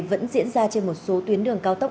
vẫn diễn ra trên một số tuyến đường cao tốc